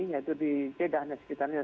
yaitu di jeddah dan sekitarnya